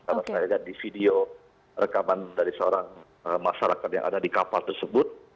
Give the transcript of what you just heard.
karena saya lihat di video rekaman dari seorang masyarakat yang ada di kapal tersebut